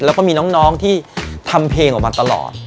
แล้วก็มีน้องที่ทำเพลงออกมาตลอด